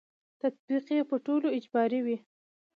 تطبیق یې په ټولو اجباري وي.